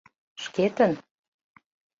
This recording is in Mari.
— Шкетын?